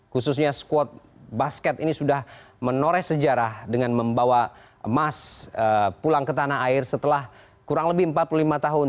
khususnya squad basket ini sudah menoreh sejarah dengan membawa emas pulang ke tanah air setelah kurang lebih empat puluh lima tahun